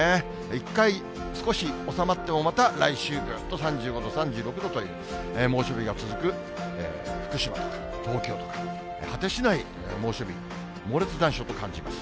一回、少し収まっても、また来週、ぐっと３５度、３６度という猛暑日が続く福島とか、東京とか、果てしない猛暑日、猛烈残暑と感じます。